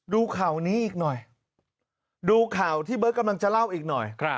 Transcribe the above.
ดูข่าวนี้อีกหน่อยดูข่าวที่เบิร์ตกำลังจะเล่าอีกหน่อย